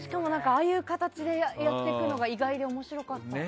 ああいう形でやっていくのが意外で面白かった。